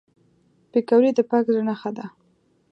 پکورې د پاک زړه نښه ده